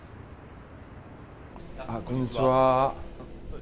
こんにちは。